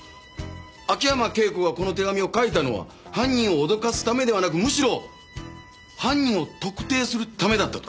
秋山圭子がこの手紙を書いたのは犯人を脅かすためではなくむしろ犯人を特定するためだったと。